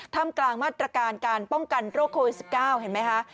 ทำกลางมาตรการการป้องกันโรคโควิด๑๙เห็นไหมคะ